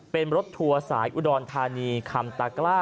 เป็นรถทัวร์สายอุดรธานีคำตากล้า